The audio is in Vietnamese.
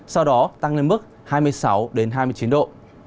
sau đó tăng lên mức hai mươi sáu hai mươi chín độ